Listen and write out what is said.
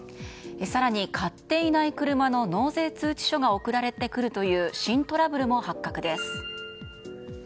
更に、買っていない車の納税通知書が送られてくるという新トラブルも発覚です。